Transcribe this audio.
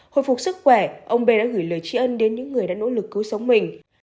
hồi phục sức khỏe ông b đã gửi lời tri ân đến những người đã nỗ lực cứu sống mình